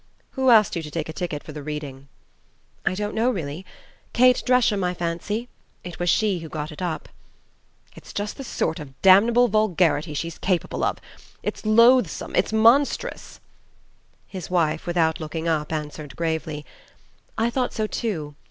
"Who asked you to take a ticket for that reading?" "I don't know, really Kate Dresham, I fancy. It was she who got it up." "It's just the sort of damnable vulgarity she's capable of! It's loathsome it's monstrous " His wife, without looking up, answered gravely, "I thought so too.